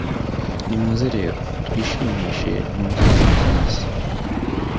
nimuze rero, twishimishe mu byiza by'iyi si